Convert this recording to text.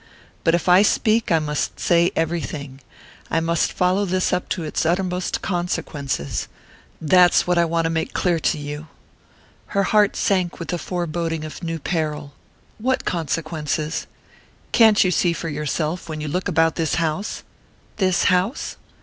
But if I speak I must say everything I must follow this thing up to its uttermost consequences. That's what I want to make clear to you." Her heart sank with a foreboding of new peril. "What consequences?" "Can't you see for yourself when you look about this house?" "This house